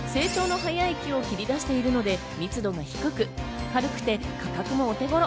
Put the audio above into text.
成長の早い木を切り出しているので密度が低く軽くて価格も手頃。